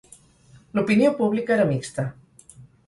L'opinió pública era mixta.